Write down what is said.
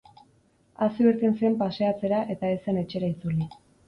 Atzo irten zen paseatzera eta ez zen etxera itzuli.